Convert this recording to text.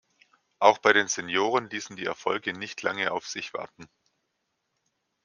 Auch bei den Senioren ließen die Erfolge nicht lange auf sich warten.